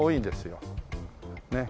ねっ。